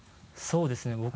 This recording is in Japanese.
そうですね